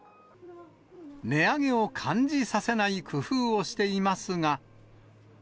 値上げを感じさせない工夫をしていますが。